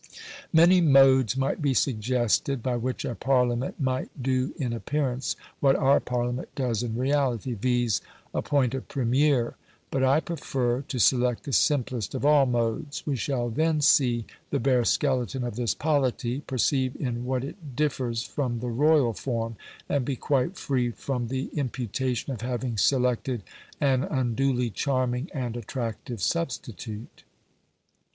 Many modes might be suggested by which a Parliament might do in appearance what our Parliament does in reality, viz., appoint a Premier. But I prefer to select the simplest of all modes. We shall then see the bare skeleton of this polity, perceive in what it differs from the royal form, and be quite free from the imputation of having selected an unduly charming and attractive substitute.